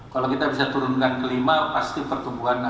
kalau kita bisa turunkan ke lima pasti pertumbuhan akan naik